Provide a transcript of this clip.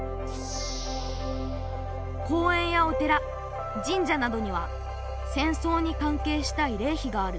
公園やお寺神社などには戦争にかんけいしたいれいひがある。